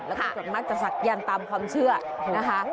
และก็จะมาจากศักยานตามความเชื่อนะคะ